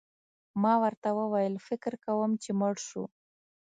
ما ورته وویل: فکر کوم چي مړ شو.